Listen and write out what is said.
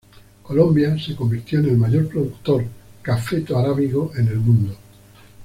Colombia se convirtió en el mayor productor "cafeto arábigo" en el mundo.